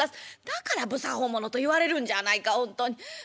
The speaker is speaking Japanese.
だから不作法者と言われるんじゃないかほんとに。